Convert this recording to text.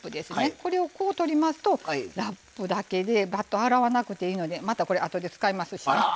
これをとりますとラップだけでバット洗わなくなるのでまた、これあとで使いますしね。